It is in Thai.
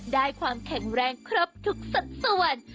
ได้ความแข็งแรงครบทุกสัดส่วน